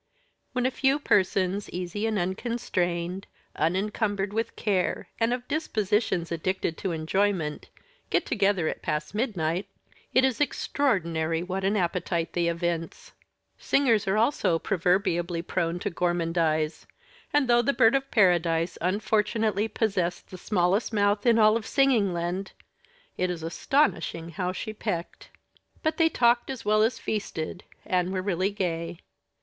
When a few persons, easy and unconstrained, unincumbered with cares, and of dispositions addicted to enjoyment, get together at past midnight, it is extraordinary what an appetite they evince. Singers also are proverbially prone to gormandize; and though the Bird of Paradise unfortunately possessed the smallest mouth in all Singingland, it is astonishing how she pecked! But they talked as well as feasted, and were really gay.